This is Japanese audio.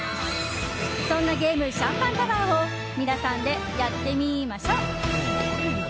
そんなゲーム・シャンパンタワーを皆さんで、やってみましょ！